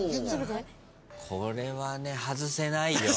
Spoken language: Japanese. これはね外せないよ。